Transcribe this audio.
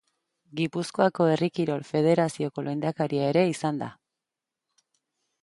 Gipuzkoako Herri Kirol Federazioko lehendakaria ere izan da.